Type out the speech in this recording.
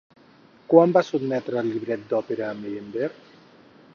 Quan va sotmetre el llibret d'òpera a Meyerbeer?